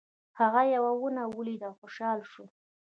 هغه یوه ونه ولیده او خوشحاله شو.